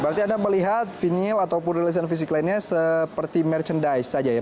berarti anda melihat vinil ataupun rilisan fisik lainnya seperti merchandise saja ya